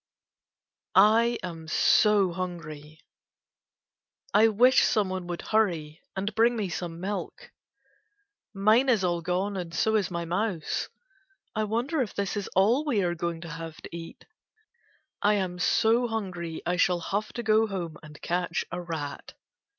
74 KITTENS AND CATS I AM SO HUNGRY I wish some one would hurry and bring me some milk. Mine is all gone and so is my mouse. I wonder if this is all we are going to have to eat. I am so hungry I shall have to go home and catch a rat.